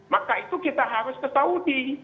maka itu kita harus ke saudi